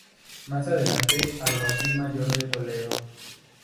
Más adelante Alguacil Mayor de Toledo.